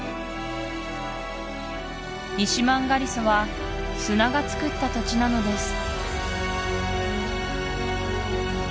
イシマンガリソは砂がつくった土地なのです